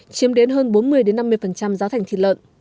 chiếm đến hơn bốn mươi năm mươi giá thành thịt lợn